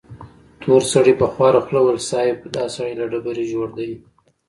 تور سړي په خواره خوله وويل: صيب! دا سړی له ډبرې جوړ دی.